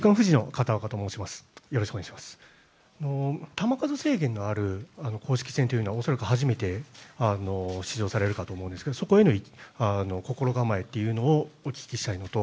球数制限がある公式戦というのは、恐らく初めて出場されると思うんですがそこへの心構えをお聞きしたいのと、